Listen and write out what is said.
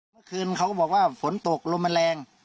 เมื่อคืนเขาก็บอกว่าฝนตกลมมันแรง